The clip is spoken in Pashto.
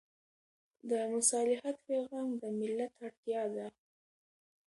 د مصالحت پېغام د ملت اړتیا ده.